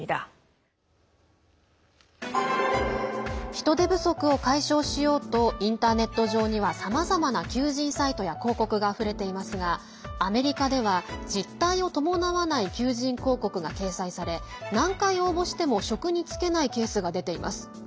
人手不足を解消しようとインターネット上にはさまざまな求人サイトや広告があふれていますがアメリカでは、実体を伴わない求人広告が掲載され何回応募しても職に就けないケースが出ています。